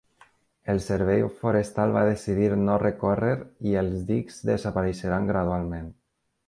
El Servei Forestal va decidir no recórrer i els dics desapareixeran gradualment.